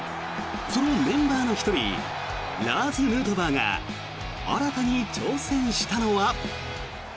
そのメンバーの１人ラーズ・ヌートバーが新たに挑戦したのは。